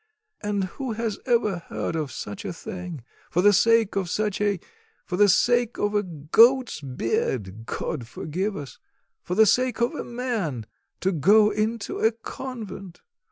And who has ever heard of such a thing, for the sake of such a for the sake of a goat's beard, God forgive us! for the sake of a man to go into a convent!